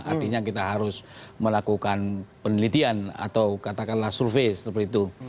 artinya kita harus melakukan penelitian atau katakanlah survei seperti itu